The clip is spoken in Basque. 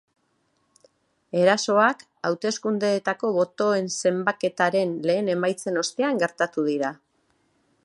Erasoak hauteskundeetako botoenzenbaketaren lehen emaitzen ostean gertatu dira.